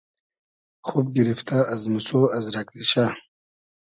خوب گیریفتۂ از موسۉ از رئگ ریشۂ